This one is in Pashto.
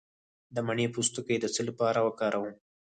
د مڼې پوستکی د څه لپاره وکاروم؟